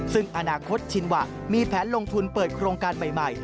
ซึ่งอนาคตชินวะมีแผนลงทุนเปิดโครงการใหม่